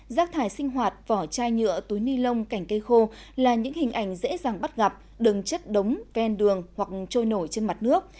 rác thải sinh hoạt vỏ chai nhựa túi ni lông cảnh cây khô là những hình ảnh dễ dàng bắt gặp đừng chất đống ven đường hoặc trôi nổi trên mặt nước